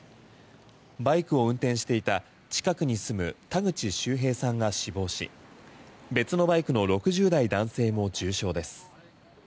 バイクを運転していた近くに住む田口周平さんが死亡し別のバイクの６０代男性も重傷です。